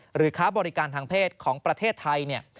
หรือค้าบริการทางเพศของประเทศไทย